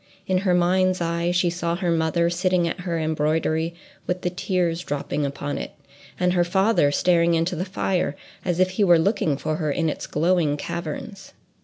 In her mind's eye she saw her mother sitting at her embroidery with the tears dropping upon it, and her father staring into the fire as if he were looking for her in its glowing caverns.